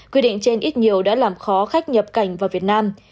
quy định trên ít nhiều đã làm khó khách nhập cảnh vào việt nam